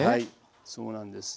そうなんです。